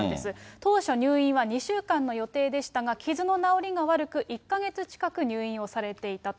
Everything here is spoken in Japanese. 当初、入院は２週間の予定でしたが、傷の治りが悪く、１か月近く入院をされていたと。